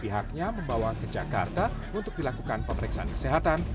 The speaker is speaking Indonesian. pihaknya membawa ke jakarta untuk dilakukan pemeriksaan kesehatan